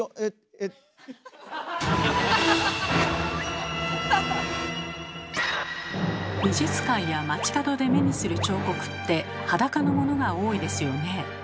⁉えっ⁉美術館や街角で目にする彫刻って裸のものが多いですよね。